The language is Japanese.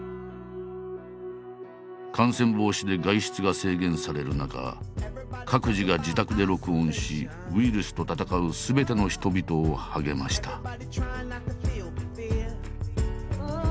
感染防止で外出が制限される中各自が自宅で録音しウイルスと闘うすべての人々を励ました。